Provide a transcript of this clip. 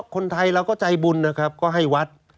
คนไทยเราก็ใจบุญนะครับก็ให้วัด